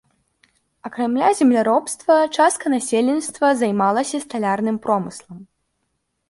Акрамя земляробства частка насельніцтва займалася сталярным промыслам.